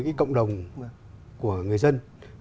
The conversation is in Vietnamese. cái cộng đồng của người dân